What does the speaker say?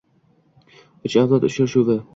“Uch avlod” uchrashuvi